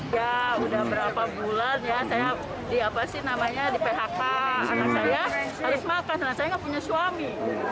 ya udah berapa bulan ya saya di phk anak saya harus makan anak saya nggak punya suami